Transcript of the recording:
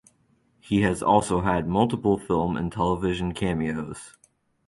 He has also had multiple film and television cameos.